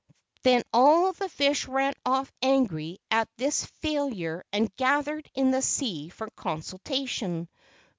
Then all the fish ran off angry at this failure and gathered in the sea for consultation.